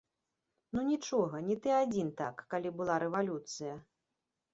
Ну нічога, не ты адзін так, калі была рэвалюцыя.